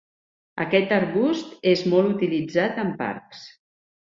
Aquest arbust és molt utilitzat en parcs.